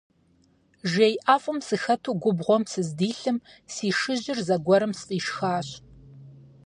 Жей ӀэфӀым сыхэту губгъуэм сыздилъым си шыжьыр зэгуэрым сфӀишхащ.